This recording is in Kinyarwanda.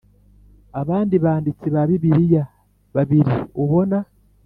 Abandi banditsi ba Bibiliya babiri ubona